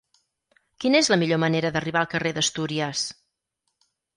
Quina és la millor manera d'arribar al carrer d'Astúries?